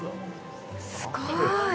すごーい！